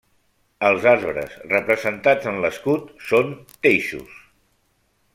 Els arbres representats en l'escut són teixos.